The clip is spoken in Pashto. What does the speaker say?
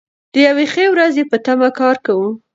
د یوې ښې ورځې په تمه کار کوو.